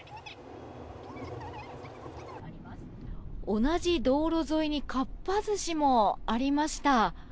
同じ道路沿いにかっぱ寿司もありました。